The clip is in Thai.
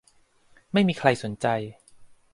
ไม่มีใครสนใจ